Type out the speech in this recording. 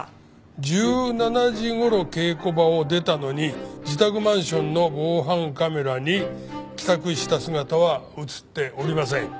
１７時頃稽古場を出たのに自宅マンションの防犯カメラに帰宅した姿は映っておりません。